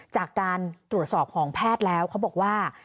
จากการตรวจสอบของแพทย์แล้วเขาบอกว่า